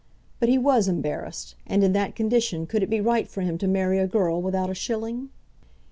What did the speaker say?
But he was embarrassed, and in that condition could it be right for him to marry a girl without a shilling?